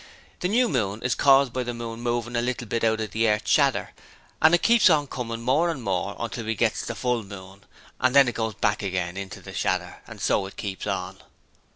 The new moon is caused by the moon movin' a little bit out of the earth's shadder, and it keeps on comin' more and more until we gets the full moon; and then it goes back again into the shadder; and so it keeps on.'